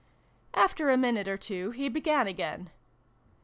After a minute or two he began again.